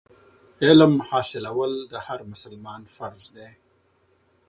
علم حاصلول د هر مسلمان فرض دی.